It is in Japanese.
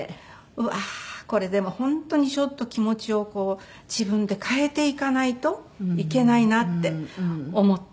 ああーこれでも本当にちょっと気持ちをこう自分で変えていかないといけないなって思って。